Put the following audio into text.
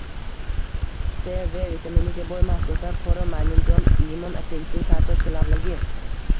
S, V vitaminiga boy mahsulotlar: qora maymunjon, limon, apelsin, kartoshka, lavlagi.